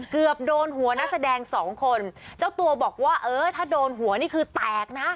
เกือบโดนหัวนักแสดงสองคนเจ้าตัวบอกว่าเออถ้าโดนหัวนี่คือแตกนะ